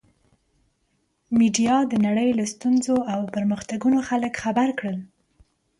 میډیا د نړۍ له ستونزو او پرمختګونو خلک خبر کړل.